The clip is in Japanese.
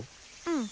うん。